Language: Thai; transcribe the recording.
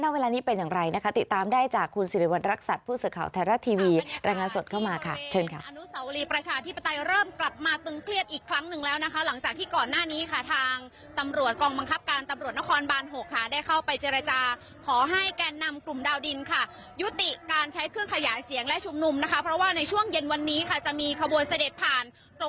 เวลานี้เป็นอย่างไรติดตามได้จากคุณศิริวรรณรักษัตริย์ผู้สื่อข่าวแทนรัฐทีวีรายงานสดเข้ามา